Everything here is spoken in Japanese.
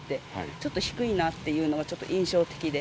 ちょっと低いなっていうのがちょっと印象的で。